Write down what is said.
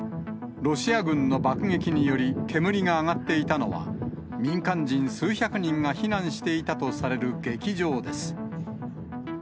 ロシア軍の爆撃により、煙が上がっていたのは、民間人数百人が避難していたとされる劇場です。